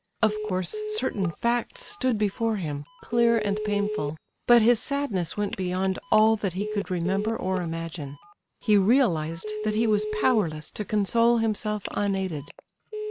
Of course certain facts stood before him, clear and painful, but his sadness went beyond all that he could remember or imagine; he realized that he was powerless to console himself unaided.